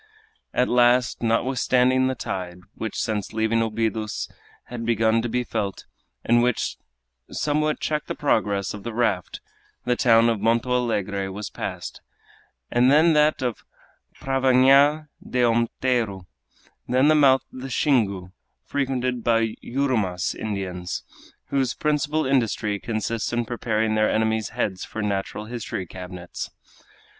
At last, notwithstanding the tide, which since leaving Obidos had begun to be felt, and which somewhat checked the progress of the raft, the town of Monto Alegre was passed, then that of Pravnha de Onteiro, then the mouth of the Xingu, frequented by Yurumas Indians, whose principal industry consists in preparing their enemies' heads for natural history cabinets.